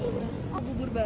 ini janggut hitam